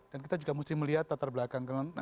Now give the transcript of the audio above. dan kita juga mesti melihat tatar belakang